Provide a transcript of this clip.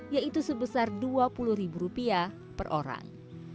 yaitu sebesar dua puluh ribu rupiah per orang